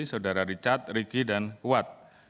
saudara richard ricky dan kuat